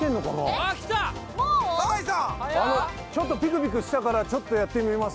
あのちょっとぴくぴくしたからちょっとやってみます。